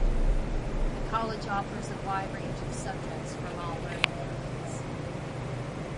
The College offers a wide range of subjects from all learning areas.